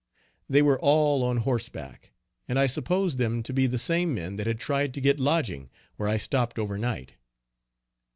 They were all on horse back, and I supposed them to be the same men that had tried to get lodging where I stopped over night.